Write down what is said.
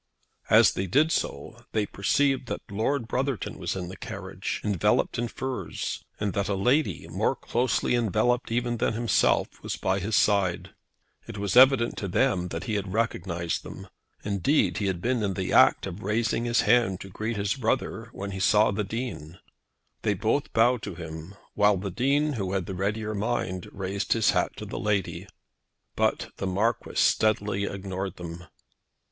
As they did so they perceived that Lord Brotherton was in the carriage, enveloped in furs, and that a lady, more closely enveloped even than himself, was by his side. It was evident to them that he had recognised them. Indeed he had been in the act of raising his hand to greet his brother when he saw the Dean. They both bowed to him, while the Dean, who had the readier mind, raised his hat to the lady. But the Marquis steadily ignored them.